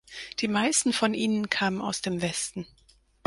Die meisten von ihnen kamen aus dem Westen.